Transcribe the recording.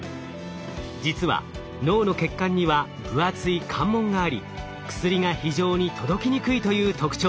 実は脳の血管には分厚い関門があり薬が非常に届きにくいという特徴が。